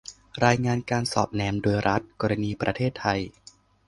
รายงานการสอดแนมโดยรัฐ - กรณีประเทศไทย